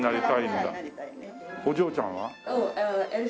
お嬢ちゃんは？